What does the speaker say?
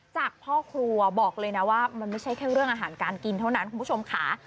จากพ่อครัวบอกเลยนะว่ามันไม่ใช่แค่เรื่องอาหารการกินเท่านั้นคุณผู้ชมค่ะ